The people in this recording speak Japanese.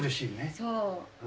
そう。